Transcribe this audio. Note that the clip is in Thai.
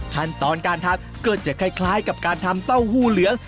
ขั้นตอนการทำก็จะคล้ายกับการทำเต้าหู้เหลือง